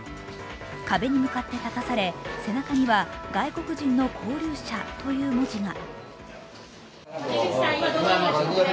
壁に向かって立たされ、背中には「外国人の勾留者」という文字が。